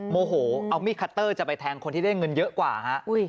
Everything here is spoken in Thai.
โมโหเอามีดคัตเตอร์จะไปแทงคนที่ได้เงินเยอะกว่าฮะ